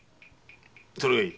それがいい。